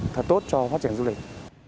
thật tốt cho phát triển du lịch